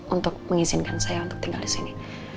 untuk mengizinkan saya untuk tinggal disini